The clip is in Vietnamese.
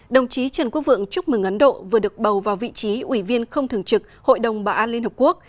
đồng chí trần quốc vượng chúc mừng ấn độ vừa được bầu vào vị trí ủy viên không thường trực hội đồng bảo an liên hợp quốc